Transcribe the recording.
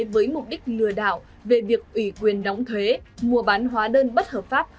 với mục đích lừa đảo về việc ủy quyền đóng thuế mua bán hóa đơn bất hợp pháp